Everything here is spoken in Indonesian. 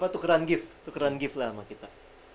tukeran gift tukeran give lah sama kita